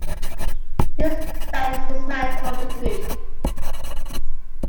These banks dismantled the group.